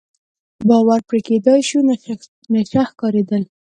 باور پرې کېدای شو، نشه ښکارېدل.